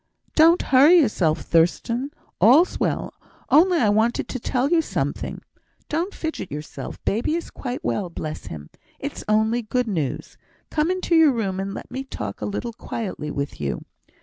"Don't hurry yourself, Thurstan! all's well; only I wanted to tell you something. Don't fidget yourself baby is quite well, bless him! It's only good news. Come into your room, and let me talk a little quietly with you."